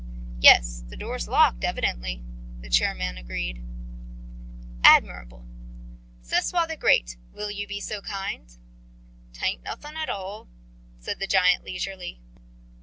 "Yes, the door's locked, evidently," the chairman agreed. "Admirable. Sesoi the Great, will you be so kind?" "'Tain't nothin' at all," said the giant leisurely.